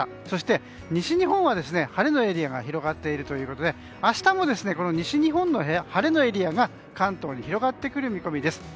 そして、西日本は晴れのエリアが広がっているということで明日も西日本の晴れのエリアが関東に広がってくる見込みです。